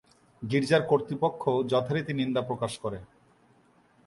গির্জার কর্তৃপক্ষ যথারীতি নিন্দা প্রকাশ করে।